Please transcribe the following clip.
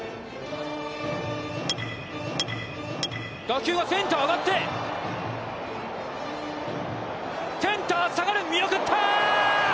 打球はセンター上がってセンター下がる、見送った！